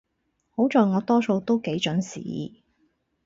好在我多數都幾準時